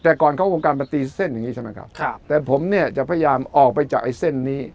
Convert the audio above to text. แต่ก่อนเข้าวงการมาตีเส้นอย่างนี้ใช่ไหมครับครับแต่ผมเนี่ยจะพยายามออกไปจากไอ้เส้นนี้